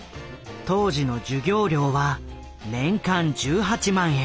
当時の授業料は年間１８万円。